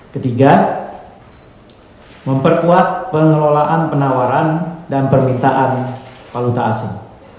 ketiga memperkuat pengelolaan penawaran dan permintaan